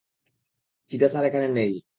চিদা sir এখানে নেই।